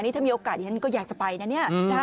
ถ้ามีโอกาสนี้ท่านก็อยากจะไปนะ